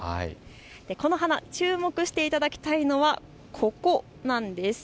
この花、注目していただきたいのはここなんです。